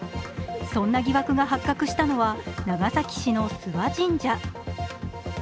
そんな疑惑が発覚したのは、長崎市の諏訪神社。